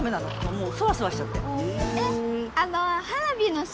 もうそわそわしちゃって。